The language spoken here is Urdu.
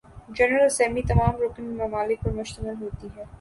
جنرل اسمبلی تمام رکن ممالک پر مشتمل ہوتی ہے